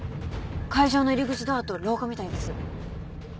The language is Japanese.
会場の入り口ドアと廊下みたいです。